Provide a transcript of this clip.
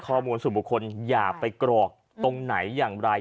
ข้อมูลส่วนบุคคลอย่าไปกรอกตรงไหนอย่างไร